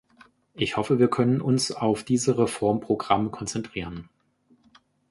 Ich hoffe, wir können uns auf diese Reformprogramme konzentrieren.